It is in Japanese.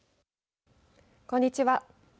こんにちは。